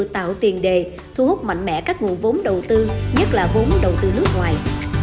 tạo tiền đề thu hút mạnh mẽ các nguồn vốn đầu tư nhất là vốn đầu tư nước ngoài